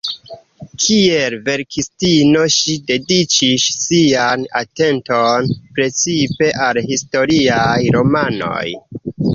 Kiel verkistino ŝi dediĉis sian atenton precipe al historiaj romanoj.